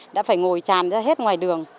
đã phải ngồi tràn ra hết ngoài đường